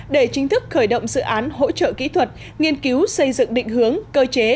để chính thức khởi động dự án hỗ trợ kỹ thuật nghiên cứu xây dựng định hướng cơ chế